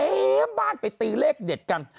เป็นแบบไม่ตีเลขเด็ดกัน